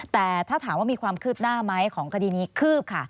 แต่ถ้าถามว่ามีความคืบหน้าไหมของคดีนี้คืบค่ะ